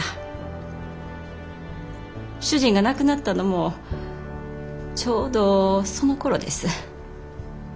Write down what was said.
主人が亡くなったのもちょうどそのころです。